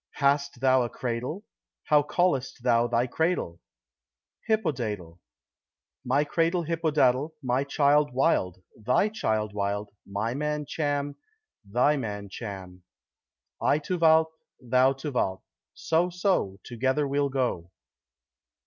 "Hast thou a cradle? How callest thou thy cradle?" "Hippodadle." "My cradle Hippodadle, my child Wild, thy child Wild, my man Cham, thy man Cham; I to Walpe, thou to Walpe, so, so, together we'll go."